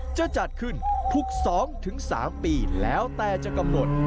จะจัดขึ้นทุก๒๓ปีแล้วแต่จะกำหนด